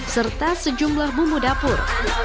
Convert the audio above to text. serta sejumlah bumbu dapur